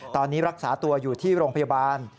ตอนนี้รักษาตัวอยู่ที่โรงพยาบาล